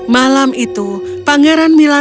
malam itu pangeran mila